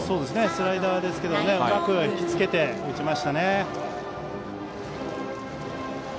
スライダーですけどうまく引き付けて打ちましたね。